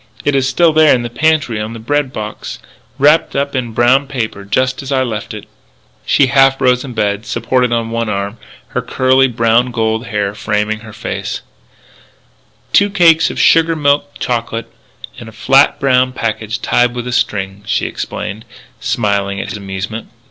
It is still there in the pantry on the bread box, wrapped up in brown paper, just as I left it " She half rose in bed, supported on one arm, her curly brown gold hair framing her face: " Two cakes of sugar milk chocolate in a flat brown packet tied with a string," she explained, smiling at his amusement.